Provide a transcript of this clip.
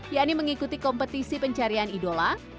yakni mengikuti kompetisi pencarian idola